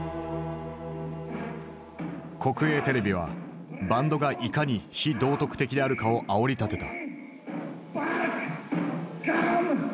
国営テレビはバンドがいかに非道徳的であるかをあおりたてた。